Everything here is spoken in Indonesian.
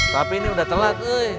tapi ini udah telat